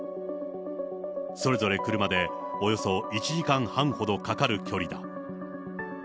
それぞれ車でおよそ１時間半ほどかかる距離だ。